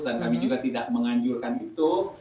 dan kami juga tidak menganjurkan itu